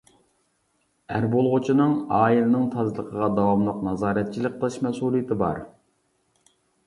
ئەر بولغۇچىنىڭ ئائىلىنىڭ تازىلىقىغا داۋاملىق نازارەتچىلىك قىلىش مەسئۇلىيىتى بار.